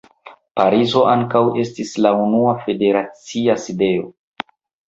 Parizo ankaŭ estis la unua federacia sidejo.